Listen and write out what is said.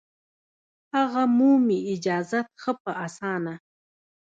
هغه مومي اجازت ښه په اسانه